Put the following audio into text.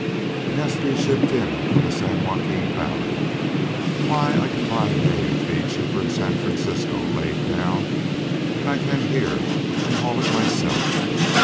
It has to be shipped in from the San Joaquin Valley. Why, I can buy hay an' feed cheaper in San Francisco, laid down, than I can here an' haul it myself.'